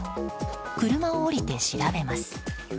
車を降りて調べます。